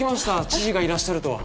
知事がいらっしゃるとは。